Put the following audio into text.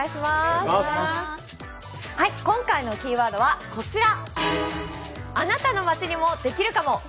今回のキーワードはこちら。